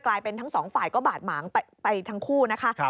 กลายเป็นทั้งสองฝ่ายก็บาดหมางไปทั้งคู่นะคะ